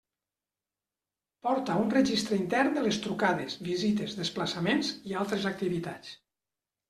Porta un registre intern de les trucades, visites, desplaçaments i altres activitats.